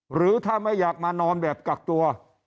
หรือถ้าไม่อยากมานอนแบบกักตัว